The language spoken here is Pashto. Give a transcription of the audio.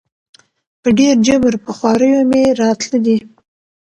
په ډېر جبر په خواریو مي راتله دي